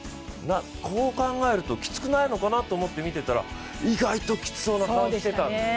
こう考えると、きつくないのかなと思ってみていたら意外ときつそうな顔してたんです。